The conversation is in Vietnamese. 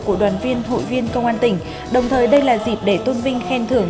của đoàn viên hội viên công an tỉnh đồng thời đây là dịp để tôn vinh khen thưởng